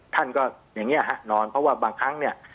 ท่านก็อย่างนี้ฮะนอนเพราะว่าบางครั้งเนี่ย